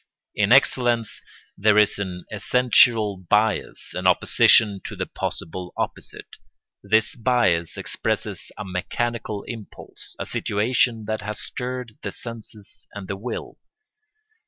In excellence there is an essential bias, an opposition to the possible opposite; this bias expresses a mechanical impulse, a situation that has stirred the senses and the will.